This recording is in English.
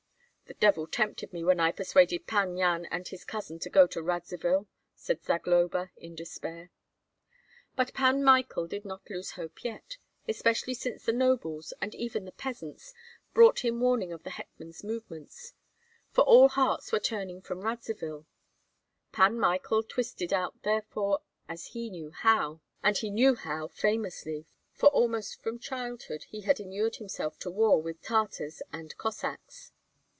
"The devil tempted me when I persuaded Pan Yan and his cousin to go to Radzivill!" said Zagloba, in despair. But Pan Michael did not lose hope yet, especially since the nobles, and even the peasants, brought him warning of the hetman's movements; for all hearts were turning from Radzivill. Pan Michael twisted out therefore as he knew how, and he knew how famously, for almost from childhood he had inured himself to war with Tartars and Cossacks.